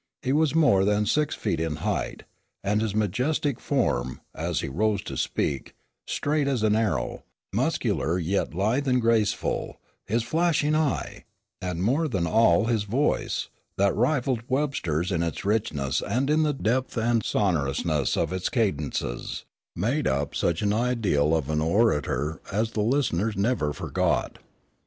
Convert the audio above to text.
He was more than six feet in height; and his majestic form, as he rose to speak, straight as an arrow, muscular yet lithe and graceful, his flashing eye, and more than all his voice, that rivalled Webster's in its richness and in the depth and sonorousness of its cadences, made up such an ideal of an orator as the listeners never forgot.